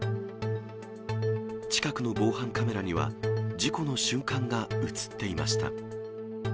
近くの防犯カメラには、事故の瞬間が写っていました。